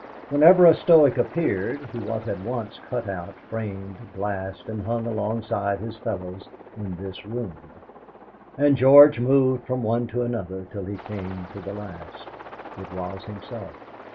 Whenever a Stoic appeared, he was at once cut out, framed, glassed, and hung alongside his fellows in this room. And George moved from one to another till he came to the last. It was himself.